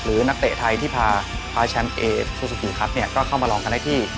นักเตะไทยที่พาแชมป์เอฟซูซูกิครับเนี่ยก็เข้ามาลองกันได้ที่